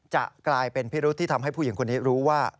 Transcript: จะกลายเป็นพิรุธที่ทำให้ผู้หญิงคนนี้รู้ว่า